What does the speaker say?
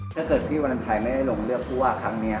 ถ้าเกิดพี่วรรณชัยไม่ได้ลงเลือกผู้ว่าครั้งนี้